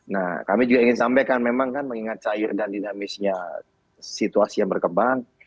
nah kami juga ingin sampaikan memang kan mengingat cair dan dinamisnya situasi yang berkembang